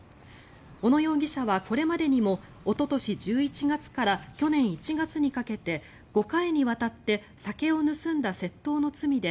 小野容疑者はこれまでにもおととし１１月から去年１月にかけて５回にわたって酒を盗んだ窃盗の罪で